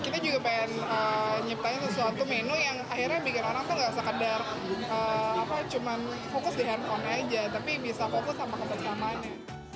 kita juga pengen nyiptain sesuatu menu yang akhirnya bikin orang tuh gak sekedar cuma fokus di handphone aja tapi bisa fokus sama kebersamaannya